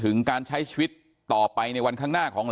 แม้นายเชิงชายผู้ตายบอกกับเราว่าเหตุการณ์ในครั้งนั้น